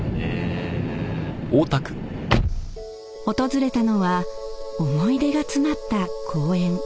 ［訪れたのは思い出が詰まった公園］